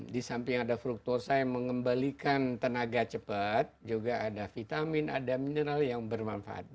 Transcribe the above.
di samping ada fruktosa yang mengembalikan tenaga cepat juga ada vitamin ada mineral yang bermanfaat